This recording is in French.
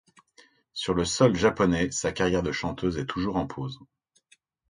Sur le sol japonais, sa carrière de chanteuse est toujours en pause.